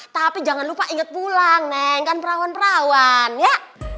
tapi jangan lupa ingat pulang neng kan perawan perawan ya